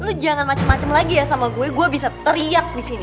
lo jangan macem macem lagi ya sama gue gue bisa teriak disini